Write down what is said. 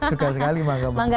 suka sekali mangga mangga